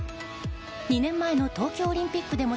２年前の東京オリンピックでも